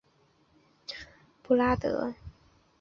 布拉德福德市政厅以其的钟楼地标而着称。